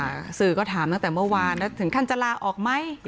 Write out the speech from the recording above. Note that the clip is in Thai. นักศือก็ถามตั้งแต่เมื่อวานนะถึงขั้นจะลาออกไหมค่ะ